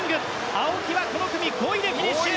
青木はこの組５位でフィニッシュ。